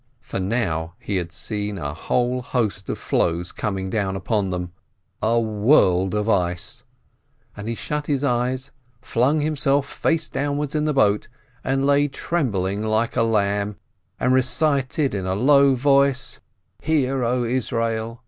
For now he had seen a whole host of floes coming down upon them, a world of ice, and he shut his eyes, flung himself face down wards in the boat, and lay trembling like a lamb, and recited in a low voice, "Hear, 0 Israel